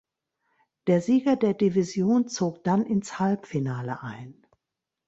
Der Sieger der Division zog dann ins Halbfinale ein.